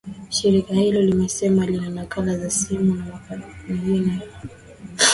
shirika hilo limesema lina nakala za simu na makabrasha mingine yaliotumika kuwasiliana